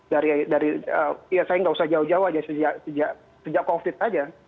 dari ya saya nggak usah jauh jauh aja sejak covid saja